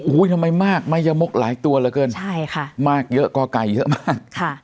ทำไมมากมายมกหลายตัวเหลือเกินใช่ค่ะมากเยอะก็ไก่เยอะมากค่ะ